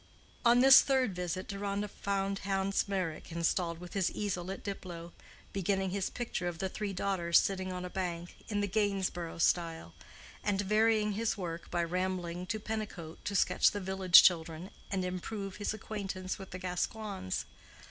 On this third visit Deronda found Hans Meyrick installed with his easel at Diplow, beginning his picture of the three daughters sitting on a bank, "in the Gainsborough style," and varying his work by rambling to Pennicote to sketch the village children and improve his acquaintance with the Gascoignes.